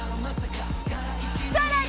さらに。